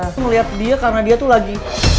lo ngeliat dia karena dia tuh lagi